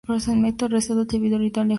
Racedo, Toribio Ortíz, Alejo Peyret, Av.